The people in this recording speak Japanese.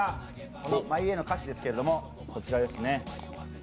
この「ＭｙＷａｙ」の歌詞ですけれども、こちらですね。